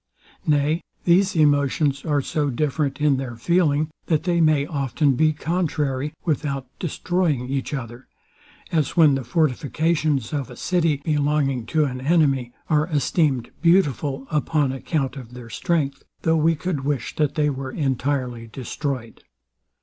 Nay, these emotions are so different in their feeling, that they may often be contrary, without destroying each other; as when the fortifications of a city belonging to an enemy are esteemed beautiful upon account of their strength, though we could wish that they were entirely destroyed.